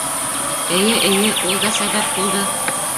Эйе, эйе, ул да сәбәп булды.